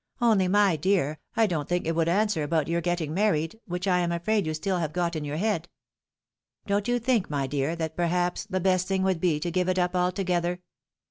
Only, my deai, I don't think it would answer about your getting married, which I am afraid you have stiU got in your he^. Don't you think, my dear, that perhaps the best thing would be to give it up altogether